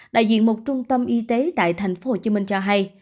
đại diện một trung tâm y tế tại tp hcm cho hay